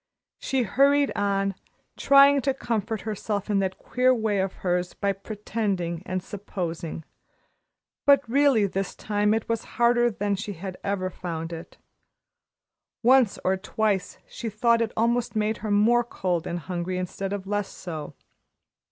She hurried on, trying to comfort herself in that queer way of hers by pretending and "supposing," but really this time it was harder than she had ever found it, and once or twice she thought it almost made her more cold and hungry instead of less so.